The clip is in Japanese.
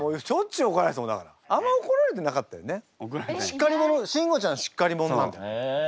しっかり者慎吾ちゃんしっかり者なんだよ。へえ！